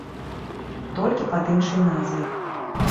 Толькі пад іншай назвай.